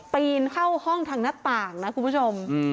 ปีนเข้าห้องทางหน้าต่างนะคุณผู้ชม